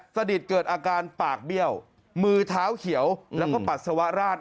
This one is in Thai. สนิทเกิดอาการปากเบี้ยวมือเท้าเขียวแล้วก็ปัสสาวะราช